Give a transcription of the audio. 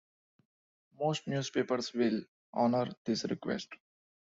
Most newspapers will honor this request.